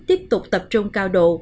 tiếp tục tập trung